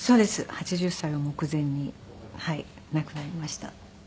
８０歳を目前に亡くなりました。